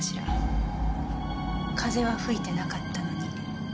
風は吹いてなかったのに。